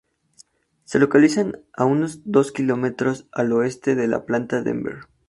Se localiza a unos dos kilómetros al oeste de la Planta Denver.